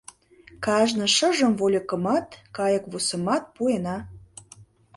Кажне шыжым вольыкымат, кайыквусымат пуэна.